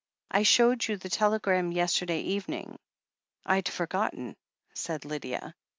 I showed you the telegram yesterday eve ning!" "Fd forgotten," said Lydia.